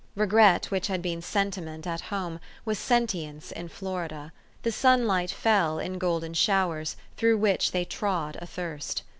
Regret, which had been sentiment at home, was sentience in Florida. The sunlight fell in golden showers, through which they trod athirst.